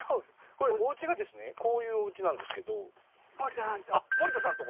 これおうちがですねこういうおうちなんですけどモリタさんのとこ？